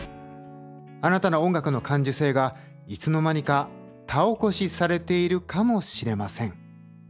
あなたの音楽の感受性がいつの間にか田起こしされているかもしれません。